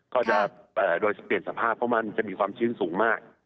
ก็จะโดยเปลี่ยนสภาพเพราะมันจะมีความชื้นสูงมาก